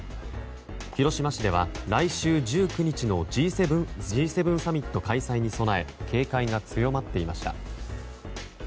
広島市では来週１９日のＧ７サミット開催に備え警戒が強まっていました。